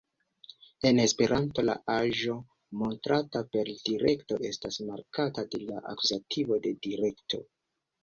En esperanto, la aĵo montrata per direkto estas markata de la akuzativo de direkto.